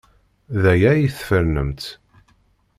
D aya ay tfernemt.